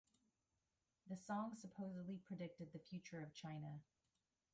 The song supposedly predicted the future of China.